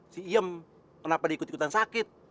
si iam kenapa diikut ikutan sakit